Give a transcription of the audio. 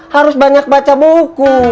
harus banyak baca buku